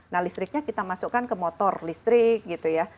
nah listriknya kita masukkan ke motor listrik gitu ya